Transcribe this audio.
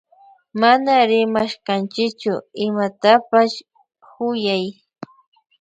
Mana rimashkanchichu imatapash kuyay.